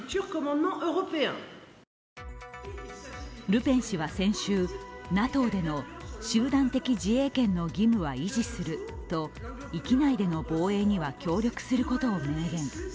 ルペン氏は先週、ＮＡＴＯでの集団的自衛権の義務は維持すると域内での防衛には協力することを明言。